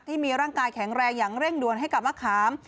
ที่มีร่างกายแข็งแรงอย่างเร่งด่วนให้กับมะขาม